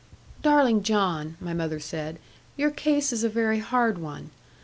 'Darling John,' my mother said, 'your case is a very hard one.